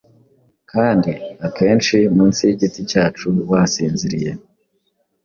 kandi akenshi munsi yigiti cyacu wasinziriye,